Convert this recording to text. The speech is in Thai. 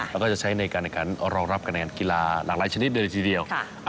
แล้วก็จะใช้ในการแขนการรองรับการแขนการกีฬาหลังหลายชนิดเลยทีเดียวค่ะ